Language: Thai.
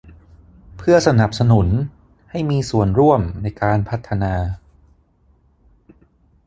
เพื่อสนับสนุนให้มีส่วนร่วมในการพัฒนา